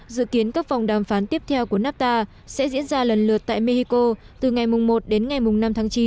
dự kiến các vòng đàm phán tiếp theo của nafta sẽ diễn ra lần lượt tại mexico từ ngày một đến ngày năm tháng chín